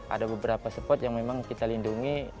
ada beberapa spot yang memang kita lindungi